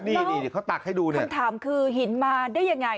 นี่เดี๋ยวเขาตักให้ดูเนี่ยคำถามคือหินมาได้ยังไง